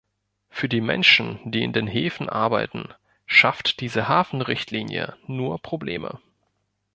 Für die Menschen, die in den Häfen arbeiten, schafft diese Hafenrichtlinie nur Probleme.